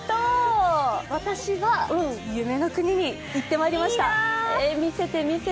私は夢の国に行ってまいりました。